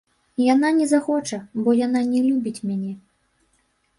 Яна не захоча, бо яна не любіць мяне.